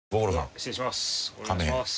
失礼します。